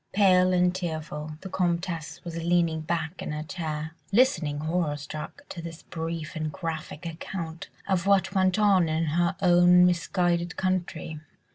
Pale and tearful, the Comtesse was leaning back in her chair, listening horror struck to this brief and graphic account of what went on in her own misguided country.